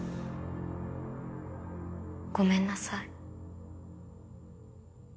ごめんなさい。